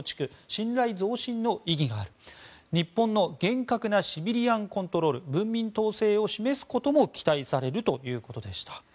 ・信頼増進の意義がある日本の厳格なシビリアンコントロール文民統制を示すことも期待されるということでした。